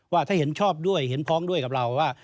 ว่าถ้าเห็นชอบด้วยเห็นพ้องด้วยกับเราว่า